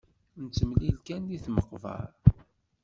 Nettemlil kan di tmeqbar.